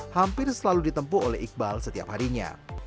hampir selalu ditempuh oleh iqbal setiap harinya